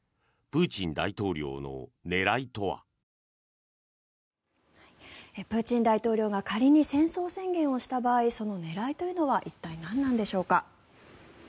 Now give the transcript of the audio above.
プーチン大統領が仮に戦争宣言をした場合その狙いというのは一体何なんでしょうか。